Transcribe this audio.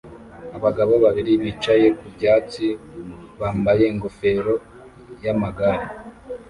Abagabo babiri bicaye ku byatsi bambaye ingofero yamagare